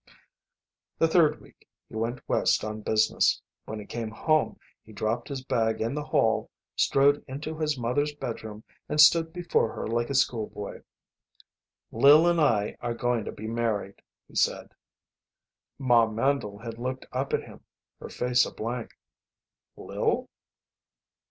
The third week he went West on business. When he came home he dropped his bag in the hall, strode into his mother's bedroom, and stood before her like a schoolboy. "Lil and I are going to be married," he said. Ma Mandle had looked up at him, her face a blank. "Lil?"